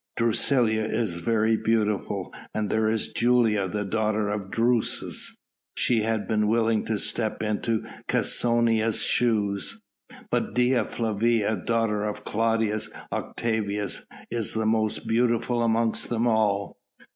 Drusilla is very beautiful." "And there is Julia, the daughter of Drusus. She had been willing to step into Cæsonia's shoes." "But Dea Flavia, daughter of Claudius Octavius, is the most beautiful amongst them all!"